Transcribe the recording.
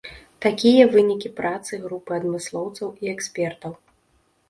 Такія вынікі працы групы адмыслоўцаў і экспертаў.